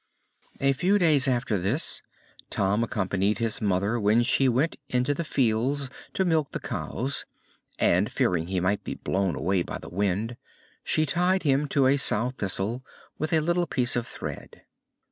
A few days after this, Tom accompanied his mother when she went into the fields to milk the cows, and, fearing he might be blown away by the wind, she tied him to a sow thistle with a little piece of thread.